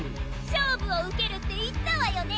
勝負を受けるって言ったわよね？